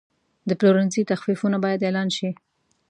د پلورنځي تخفیفونه باید اعلان شي.